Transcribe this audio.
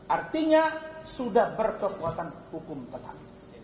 artinya sudah berkekuatan hukum tetap